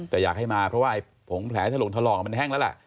แต่อยากให้มาเพราะว่าไอ้ผงแผลถล่มทะลอกมันแห้งแล้วล่ะ